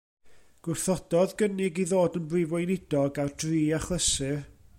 Gwrthododd gynnig i ddod yn Brif Weinidog ar dri achlysur.